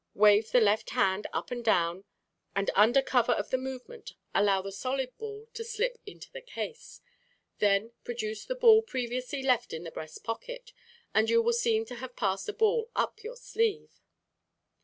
Wave the left hand up and down and under cover of the movement allow the solid ball to slip into the case. Then produce the ball previously left in the breast pocket, and you will seem to have passed a ball up your sleeve.